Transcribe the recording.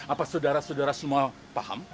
apa saudara saudara semua paham